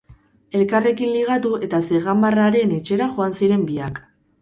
Elkarrekin ligatu eta zegamarraren etxera joan ziren biak.